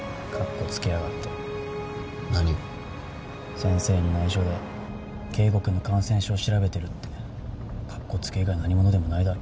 先生に内緒で圭吾君の感染症調べてるってカッコつけ以外何物でもないだろ。